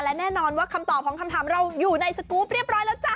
และแน่นอนว่าคำตอบของคำถามเราอยู่ในสกรูปเรียบร้อยแล้วจ้ะ